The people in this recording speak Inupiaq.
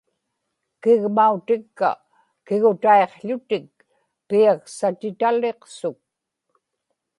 kigmautikka kigutaiqł̣utik piaksatitaliqsuk